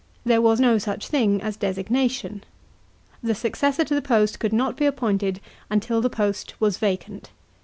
There was no such thing as designation. The successor to the post could not be appointed until the post was vacant.